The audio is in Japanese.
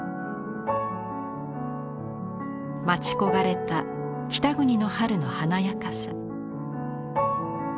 待ち焦がれた北国の春の華やかさ。